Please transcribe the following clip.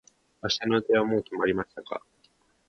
明日の予定はもう決まりましたか。